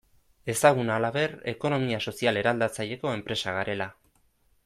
Ezaguna, halaber, ekonomia sozial eraldatzaileko enpresa garela.